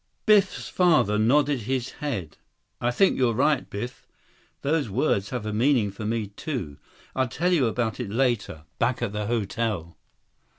Biff's father nodded his head. "I think you're right, Biff. Those words have a meaning for me, too. I'll tell you about it later. Back at the hotel."